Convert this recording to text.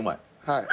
はい。